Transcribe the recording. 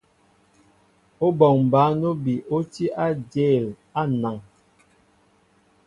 Óbɔŋ bǎn óbi ó tí á ajěl á anaŋ.